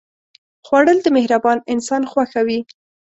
خوړل د مهربان انسان خوښه وي